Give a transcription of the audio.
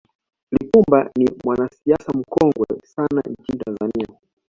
lipumba ni mwanasiasa mkongwe sana nchini tanzania